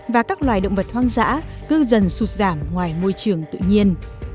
và các loài động vật hoang dã cứ dần sụt giảm ngoài môi trường tự nhiên